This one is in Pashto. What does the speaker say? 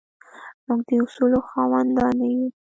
موږ د اصولو خاوندان نه یو.